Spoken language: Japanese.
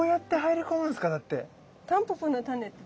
タンポポのタネって。